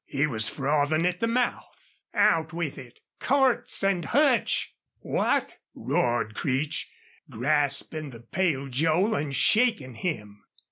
He was frothing at the mouth. "Out with it!" "Cordts an' Hutch!" "What?" roared Creech, grasping the pale Joel and shaking him.